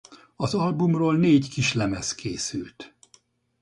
Az albumról négy kislemez készült.